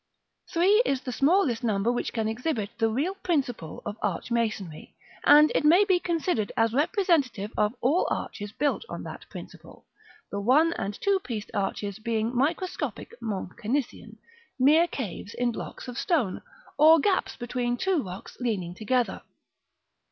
Three is the smallest number which can exhibit the real principle of arch masonry, and it may be considered as representative of all arches built on that principle; the one and two pieced arches being microscopic Mont Cenisian, mere caves in blocks of stone, or gaps between two rocks leaning together.